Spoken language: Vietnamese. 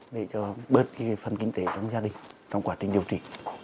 để cho bớt phần kinh tế trong gia đình trong quá trình điều trị